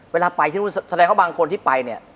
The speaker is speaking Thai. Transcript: เวลาไปที่นู่นแสดงว่าบางคนที่ไปเนี่ย